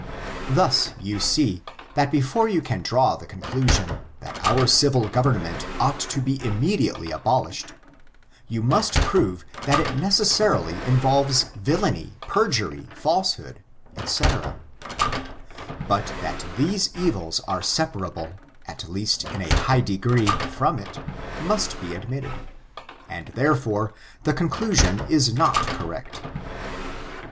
Thus, you see, that before you can draw the conclusion, that our civil government ought to be immediately abolished, you must prove that it necessarily involves villainy, peijury, falsehood, &c But • I ' I ^ ^^^^^»#»^>^>^l^>^ < ^f^r^^0*0^^»^»^»^>^t^»^^ 566 STRIC TURKS that these evils are separable, at least in a high degree* from it, must be admitted; and, therefore, the conclasion is not correct.